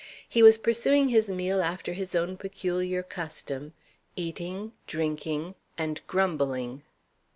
He was pursuing his meal after his own peculiar custom: eating, drinking, and grumbling.